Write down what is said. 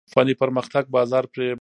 فني پرمختګ بازار پرې بدلوي.